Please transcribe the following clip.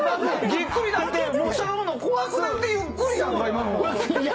ぎっくりなってしゃがむの怖くなってゆっくりやんか今の。